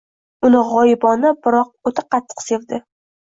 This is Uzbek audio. Uni g‘oyibona, biroq o‘ta qattiq sevdi.